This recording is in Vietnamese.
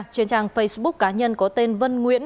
trên trang facebook cá nhân có tên vân nguyễn